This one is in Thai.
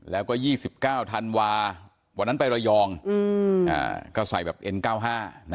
แล้วก็ยี่สิบเก้าธันวาวันนั้นไประยองอืมอ่าก็ใส่แบบเอ็นเก้าห้านะฮะ